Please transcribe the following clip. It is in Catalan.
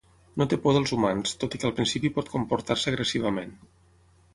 No té por dels humans, tot i que al principi pot comportar-se agressivament.